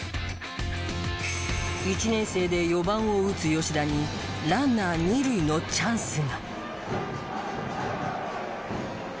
１年生で４番を打つ吉田にランナー二塁のチャンスが。